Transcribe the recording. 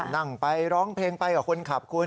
นั่งไปร้องเพลงไปกับคนขับคุณ